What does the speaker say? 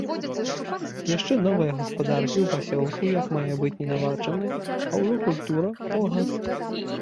Яшчэ новыя гаспадаркі ў пасёлку як мае быць не наладжаны, а ўжо культура, калгас.